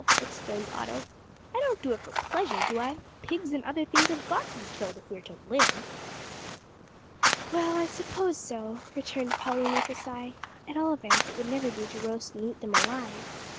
exclaimed Otto, "I don't do it for pleasure, do I? Pigs and other things have got to be killed if we are to live." "Well, I suppose so," returned Pauline, with a sigh; "at all events it would never do to roast and eat them alive.